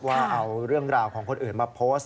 ว่าเอาเรื่องราวของคนอื่นมาโพสต์